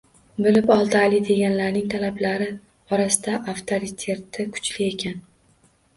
Bilib oldi, Ali deganlarining talabalar orasida avtoriteti kuchli ekan